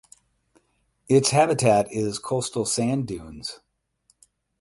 Its habitat is coastal sand dunes.